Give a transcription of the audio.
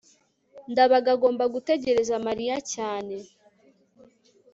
ndabaga agomba gutegereza mariya cyane